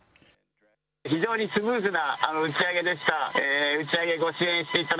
非常にスムーズな打ち上げでした。